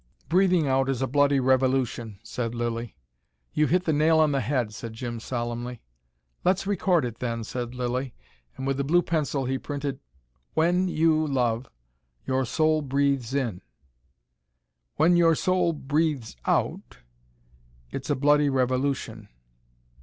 "Breathing out is a bloody revolution," said Lilly. "You've hit the nail on the head," said Jim solemnly. "Let's record it then," said Lilly. And with the blue pencil he printed: WHEN YOU LOVE, YOUR SOUL BREATHES IN WHEN YOUR SOUL BREATHES OUT, IT'S A BLOODY REVOLUTION.